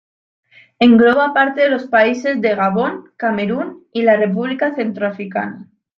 Engloba parte de los países de Gabón, Camerún y la República Centroafricana.